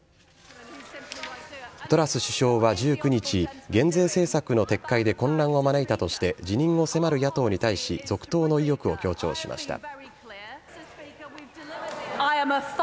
トラス首相は１９日減税政策の撤回で混乱を招いたとして辞任を迫る野党に対し続投の意欲を強調しました。